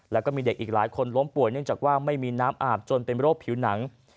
แล้วก็มีเด็กอีกหลายคนล้มป่วยเนื่องจากว่าไม่มีน้ำอาบจนเป็นโรคผิวหนัง